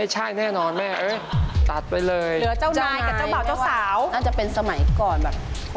เออนั่นรูปพี่เจ๊ค่ะ